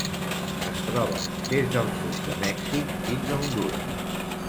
Es troba des del sud de Mèxic fins a Hondures.